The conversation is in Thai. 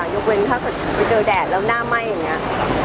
ยกเว้นถ้าเกิดไปเจอแดดแล้วหน้าไหม้อย่างนี้